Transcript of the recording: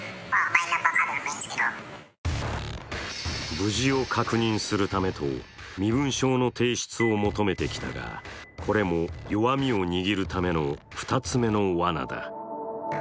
無事を確認するためと身分証の提出を求めてきたがこれも弱みを握るための２つ目のわなだ。